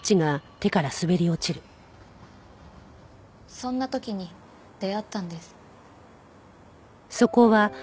そんな時に出会ったんです。